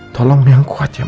tolong yang kuat ya